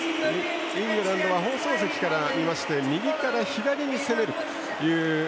イングランドは放送席から見て右から左に攻めます。